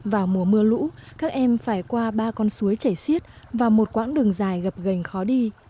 vào mùa mưa lũ các em phải qua ba con suối chảy xiết và một quãng đường dài gặp gành khó đi